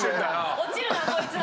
落ちるなこいつは。